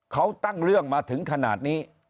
เขาตั้งเรื่องมาถึงขนาดนี้